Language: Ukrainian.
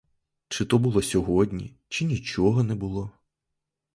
Чи то було сьогодні, чи нічого не було?